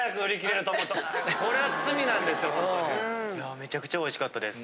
いやめちゃくちゃおいしかったです。